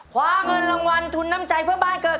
คว้าเงินรางวัลทุนน้ำใจเพื่อบ้านเกิด